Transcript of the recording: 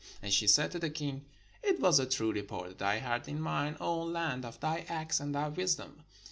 And she said to the king, "It was a true report that I heard in mine own land of thy acts and of thy wisdom.